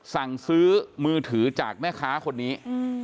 สั่งซื้อมือถือจากแม่ค้าคนนี้